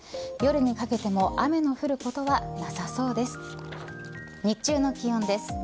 夜にかけても雨の降ることはなさそうです。